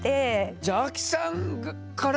じゃあアキさんから？